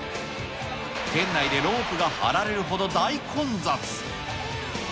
店内でロープが張られるほど大混雑。